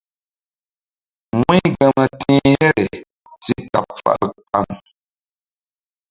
Wu̧y gama ti̧h here si kaɓ fal kpaŋ.